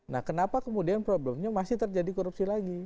nah kenapa kemudian problemnya masih terjadi korupsi lagi